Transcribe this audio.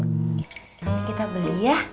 nanti kita beli ya